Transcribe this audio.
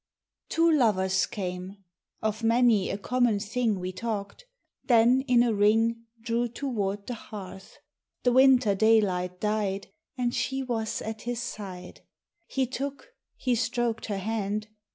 Two lovers came ; of many a common thing We talked ; then in a ring Drew toward the hearth ; the winter daylight died, And she was at his side ; He took, he stroked her hand.